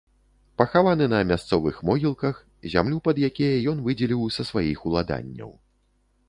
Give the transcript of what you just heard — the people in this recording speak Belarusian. Пахаваны на мясцовых могілках, зямлю пад якія ён выдзеліў са сваіх уладанняў.